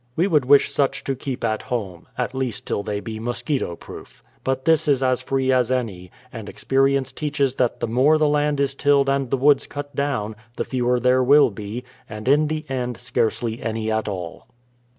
We would wish such to keep at home, — at least till they be mosquito proof. But this is as free as any, and experience teaches that the more the land is tilled and the woods cut down, the fewer there will be, — and in the end scarcely any at all.